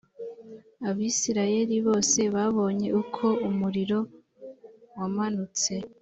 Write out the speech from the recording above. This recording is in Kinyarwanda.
abisirayeli bose babonye uko umuriro wamanutse